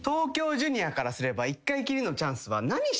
からすれば一回きりのチャンスは。